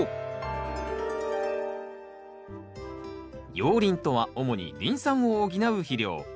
熔リンとは主にリン酸を補う肥料。